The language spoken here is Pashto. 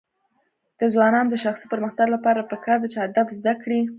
د ځوانانو د شخصي پرمختګ لپاره پکار ده چې ادب زده کړي.